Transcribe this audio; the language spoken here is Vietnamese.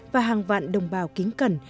và hàng vạn đồng bào kính cẩn